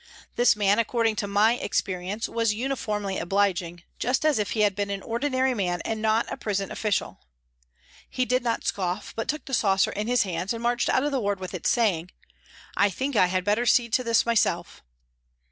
This man, according to my experience, was uniformly obliging, just as if he had been an ordinary man and not a prison official. He did not scoff, but took the saucer in his hands and marched out of the ward with it, saying :" I think I had better see to this myself."